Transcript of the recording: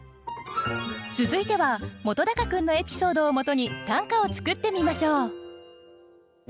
続いては本君のエピソードをもとに短歌を作ってみましょう。